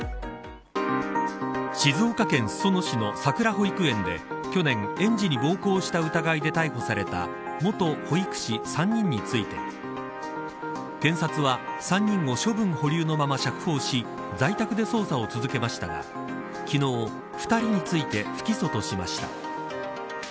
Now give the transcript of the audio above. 静岡県、裾野市のさくら保育園で去年、園児に暴行した疑いで逮捕された元保育士３人について検察は３人を処分保留のまま釈放し在宅で捜査を続けましたが昨日２人について不起訴としました。